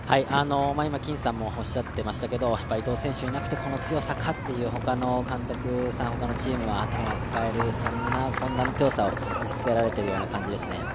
今、金さんもおっしゃっていましたけど、伊藤選手がいなくてこの強さかという他のチームは頭を抱えるそんなＨｏｎｄａの強さを見せつけられている感じですね。